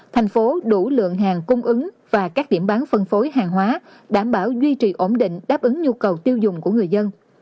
thành phố đủ lượng hàng cung ứng và các điểm bán phân phối hàng hóa đảm bảo duy trì ổn định đáp ứng nhu cầu tiêu dùng của người dân